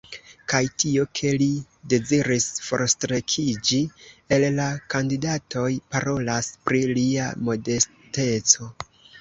Kaj tio, ke li deziris forstrekiĝi el la kandidatoj, parolas pri lia modesteco.